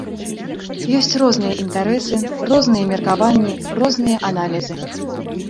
Ёсць розныя інтарэсы, розныя меркаванні, розныя аналізы.